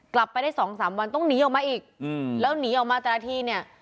กลับไปได้สองสามวันต้องหนีออกมาอีกแล้วหนีออกมาแต่ละทีเนี่ย